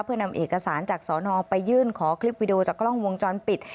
เพื่อนำเอกสารจากสอนอไปยื่นขอคลิปวิดีโอจากกล้องวงจรปิด